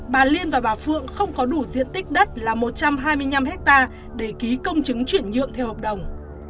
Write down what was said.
bà liên và bà phượng không có đủ diện tích đất là một trăm hai mươi năm hectare để ký công chứng chuyển nhượng theo hợp đồng